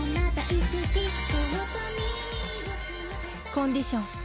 コンディション。